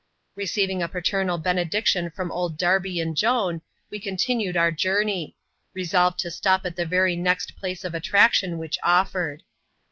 Receiving a paternal benediction from old Darby and Joan, we continued our journey ; resolved to stop at the very next place of attraction which offered.